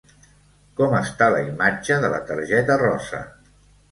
Com està la imatge de la targeta rosa?